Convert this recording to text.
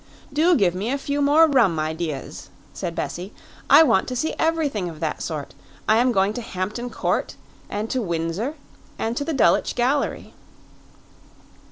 "Do give me a few more rum ideas," said Bessie. "I want to see everything of that sort. I am going to Hampton Court, and to Windsor, and to the Dulwich Gallery."